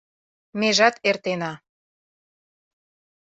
Межат эртена